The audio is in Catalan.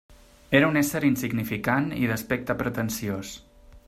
Era un ésser insignificant i d'aspecte pretensiós.